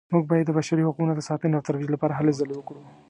موږ باید د بشري حقونو د ساتنې او ترویج لپاره هلې ځلې وکړو